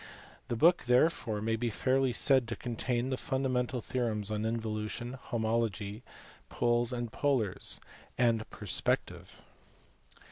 The book therefore may be fairly said to contain the fundamental theorems on involution, homology, poles and polars, and per spective.